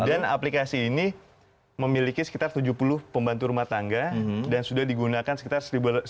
dan aplikasi ini memiliki sekitar tujuh puluh pembantu rumah tangga dan sudah digunakan sekitar